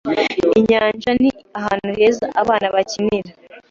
Inyanja ni ahantu heza abana bakinira.